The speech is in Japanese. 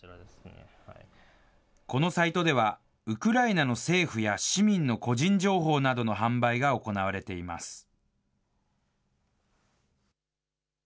このサイトでは、ウクライナの政府や市民の個人情報などの販売が行われています。